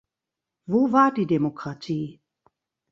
Wo war die Demokratie?